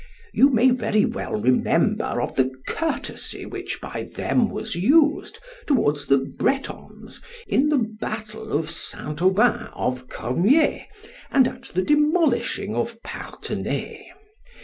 You may very well remember of the courtesy which by them was used towards the Bretons in the battle of St. Aubin of Cormier and at the demolishing of Partenay.